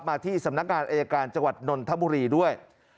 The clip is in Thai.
มาที่สำนักงานอายการจนธมุรีด้วย